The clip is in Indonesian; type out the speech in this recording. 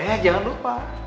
eh jangan lupa